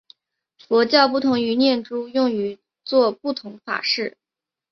佛教不同的念珠用于作不同法事。